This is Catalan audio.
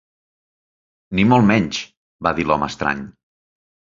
"Ni molt menys", va dir l'home estrany.